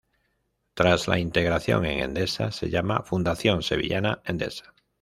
Tras la integración en Endesa, se llama Fundación Sevillana Endesa.